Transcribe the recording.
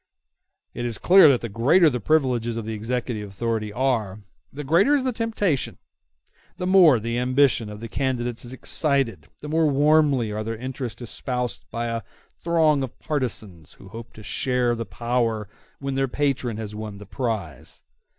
It is clear that the greater the privileges of the executive authority are, the greater is the temptation; the more the ambition of the candidates is excited, the more warmly are their interests espoused by a throng of partisans who hope to share the power when their patron has won the prize.